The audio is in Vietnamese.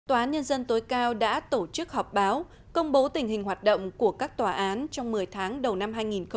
tòa án nhân dân tối cao đã tổ chức họp báo công bố tình hình hoạt động của các tòa án trong một mươi tháng đầu năm hai nghìn hai mươi